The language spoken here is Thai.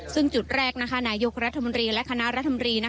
ซึ่งจุดแรกนายกรัฐมนตรีและคณะรัฐมนตรี